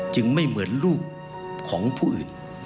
ไม่เหมือนลูกของผู้อื่น